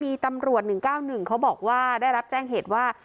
มีตำรวจ๑๙๑เขาบอกว่าได้รับแจ้งเหตุว่า